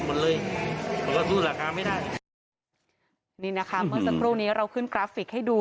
มึงสัพครูนี้ขึ้นกราฟฟิกให้ดู